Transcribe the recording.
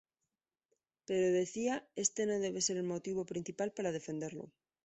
Pero, decía, "este no debe ser el motivo principal para defenderlo".